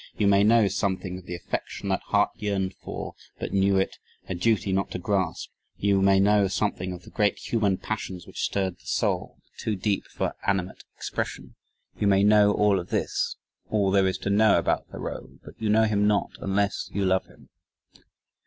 You may know something of the affection that heart yearned for but knew it a duty not to grasp; you may know something of the great human passions which stirred that soul too deep for animate expression you may know all of this, all there is to know about Thoreau, but you know him not, unless you love him!